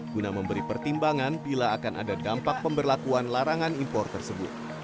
guna memberi pertimbangan bila akan ada dampak pemberlakuan larangan impor tersebut